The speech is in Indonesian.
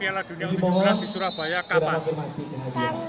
piala dunia u tujuh belas di surabaya kapan